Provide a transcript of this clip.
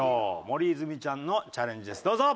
森泉ちゃんのチャレンジですどうぞ！